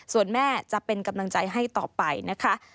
ส่วนแม่จะเป็นกำลังใจให้ต่อไปนะคะ